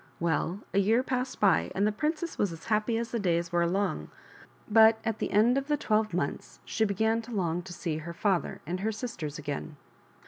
Well, a year passed by, and the princess was as happy as the days were long ; but at the end of the twelve months she began to long to see her father and her sisters again.